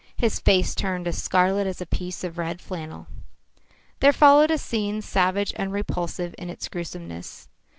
His face turned as scarlet as a piece of red flannel. There followed a scene savage and repulsive in its gruesomeness.